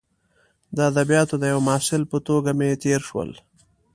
د ادبیاتو د یوه محصل په توګه مې تیر شول.